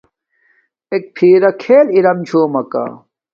اݵک فݵرݳ کھݵل ارَم چھݸمَکݳ